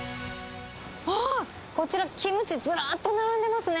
あっ、こちら、キムチずらっと並んでますね。